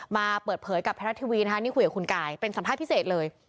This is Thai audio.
มาเปิดเผยกับไทยรัฐทีวีนะคะนี่คุยกับคุณกายเป็นสัมภาษณ์พิเศษเลย